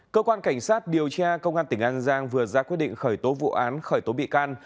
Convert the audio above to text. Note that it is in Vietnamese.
cơ quan cảnh sát điều tra công an tỉnh an giang vừa ra quyết định khởi tố vụ án khởi tố bị can